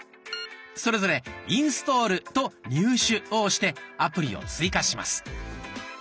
それぞれ「インストール」と「入手」を押してアプリを追加します。